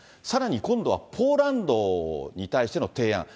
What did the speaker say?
さらに今度はポーランドに対しての提案。